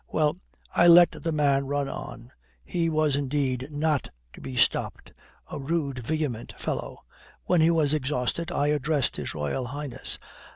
"Well, I let the man run on. He was indeed not to be stopped. A rude, vehement fellow. When he was exhausted, I addressed His Royal Highness."